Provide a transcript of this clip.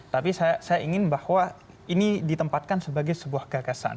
tapi saya ingin bahwa ini ditempatkan sebagai sebuah gagasan